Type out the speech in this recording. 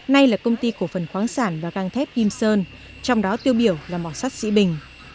nay là công ty cổ phần khoáng sản và găng thép kim sơn trong đó tiêu biểu là mỏ sắt sĩ bình